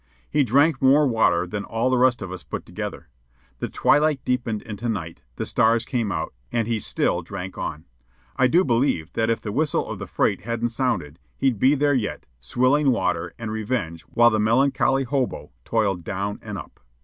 He drank more water than all the rest of us put together. The twilight deepened into night, the stars came out, and he still drank on. I do believe that if the whistle of the freight hadn't sounded, he'd be there yet, swilling water and revenge while the melancholy hobo toiled down and up.